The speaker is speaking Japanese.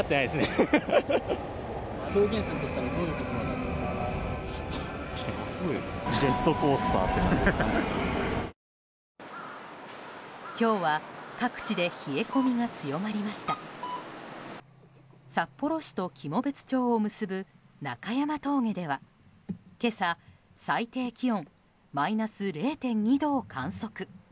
札幌市と喜茂別町を結ぶ中山峠では今朝、最低気温マイナス０．２度を観測。